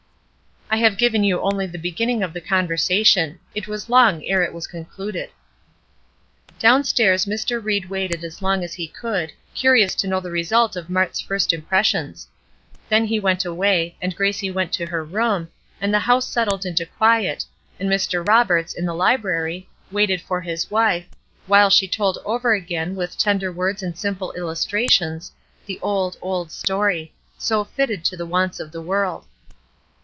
I have given you only the beginning of the conversation. It was long ere it was concluded. Down stairs Mr. Ried waited as long as he could, curious to know the result of Mart's first impressions. Then he went away, and Gracie went to her room, and the house settled into quiet, and Mr. Roberts, in the library, waited for his wife, while she told over again, with tender words and simple illustrations, the "old, old story," so fitted to the wants of the world.